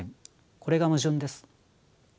これが矛盾です。